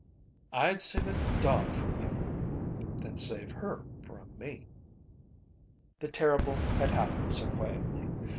"I'd save a dog from you." "Then save her from me." The terrible had happened so quietly.